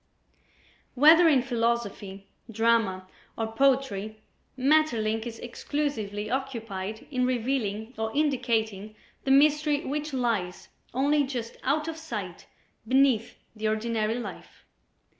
Whether in philosophy, drama or poetry, Maeterlinck is exclusively occupied in revealing or indicating the mystery which lies only just out of sight beneath the ordinary life.